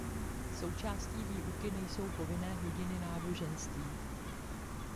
Součástí výuky nejsou povinné hodiny náboženství.